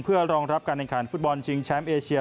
เพื่อรองรับการแข่งขันฟุตบอลชิงแชมป์เอเชีย